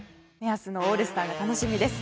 明日のオールスターが楽しみです。